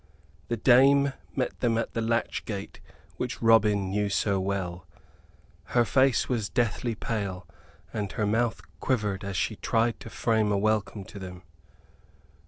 The dame met them at the latch gate which Robin knew so well. Her face was deathly pale and her mouth quivered as she tried to frame a welcome to them.